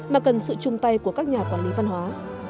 mà cần sự chung tay của các nhà quản lý văn hóa